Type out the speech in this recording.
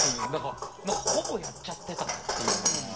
何かほぼやっちゃってたなっていうのが。